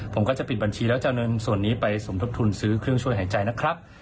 ผมก็จะปิดบัญชีแล้วจะเอาเงินส่วนนี้ไปสมทบทุนซื้อเครื่องช่วยหายใจนะครับ